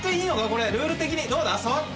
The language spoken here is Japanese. これルール的にどうなん？